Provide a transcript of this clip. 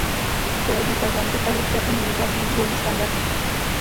To je důkazem, že v Evropské unii platí dvojí standardy.